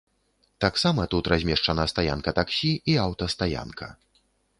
Таксама тут размешчана стаянка таксі і аўтастаянка.